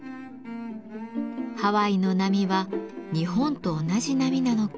ハワイの波は日本と同じ波なのか。